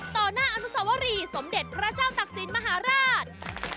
ต่อหน้าอนุสวรีสมเด็จพระเจ้าตักศิลปมหาราช